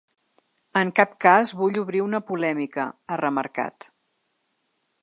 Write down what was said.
En cap cas vull obrir una polèmica, ha remarcat.